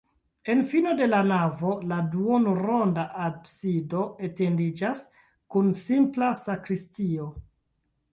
En fino de la navo la duonronda absido etendiĝas kun simpla sakristio.